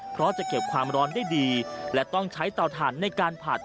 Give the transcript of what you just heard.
เพราะจะเก็บความร้อนได้ดีและต้องใช้เตาถ่านในการผัด